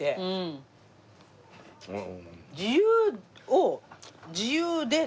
自由を自由で。